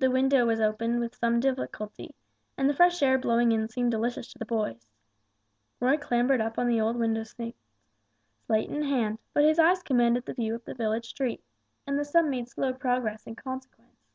The window was opened with some difficulty, and the fresh air blowing in seemed delicious to the boys. Roy clambered up on the old window seat, slate in hand, but his eyes commanded the view of the village street, and the sum made slow progress in consequence.